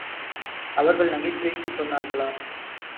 அவர்கள் நகைச்சுவைக்குச் சொன்னார்களா?